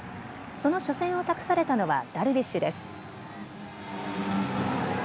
その初戦を託されたのはダルビッシュです。